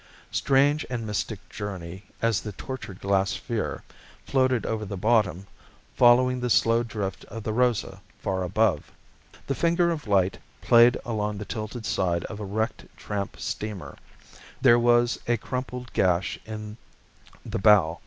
Strange and mystic journey as the tortured glass sphere floated over the bottom, following the slow drift of the Rosa far above! The finger of light played along the tilted side of a wrecked tramp steamer. There was a crumpled gash in the bow.